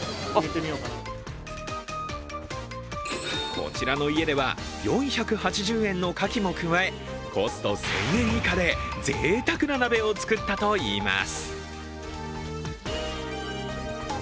こちらの家では４８０円のかきも加え、コスト１０００円以下でぜいたくな鍋を作ったといいます。